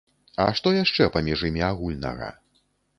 А што яшчэ паміж імі агульнага?